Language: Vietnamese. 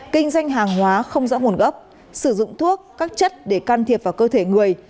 kinh doanh hàng hóa không rõ nguồn gốc sử dụng thuốc các chất để can thiệp vào cơ thể người